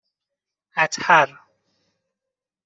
اَطهر